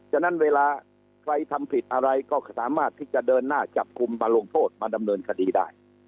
ฉะนั้นเวลาใครทำผิดอะไรก็สามารถที่จะเดินหน้าจับกลุ่มมาลงโทษมาดำเนินคดีได้